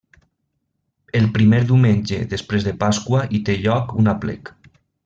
El primer diumenge després de Pasqua hi té lloc un aplec.